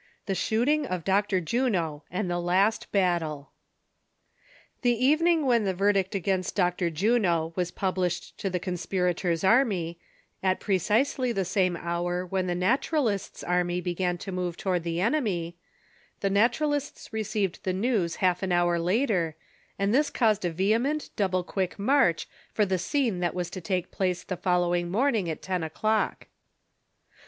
THE SHOOTING OF DR. JUNO AND THE LAST BATTLE. [HE evening when the verdict against Dr. Juno was published to the conspirators' army, at pre cisely the same hour when the Naturalists' army began to move toward the enemy, the Natural ists received the news half an hour later, and this caused a vehement, double quick march for the scene that was to take place the following morning at ten o'clock.